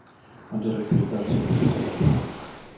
Ond yr egwyddor sy'n bwysig.